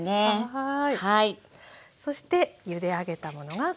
はい。